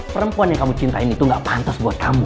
perempuan yang kamu cintai itu gak pantas buat kamu